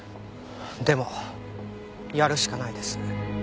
でもやるしかないです。